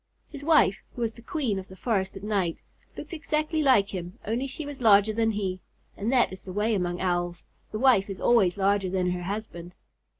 His wife, who was the queen of the forest at night, looked exactly like him, only she was larger than he. And that is the way among Owls, the wife is always larger than her husband.